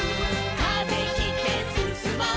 「風切ってすすもう」